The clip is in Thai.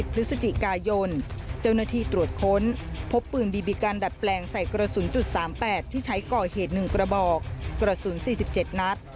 พฤศจิกายนเจ้าหน้าที่ตรวจค้นพบปืนบีบีกันดัดแปลงใส่กระสุน๓๘ที่ใช้ก่อเหตุ๑กระบอกกระสุน๔๗นัด